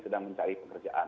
sedang mencari pekerjaan